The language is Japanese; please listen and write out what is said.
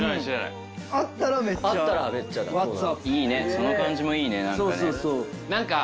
その感じもいいね何かね。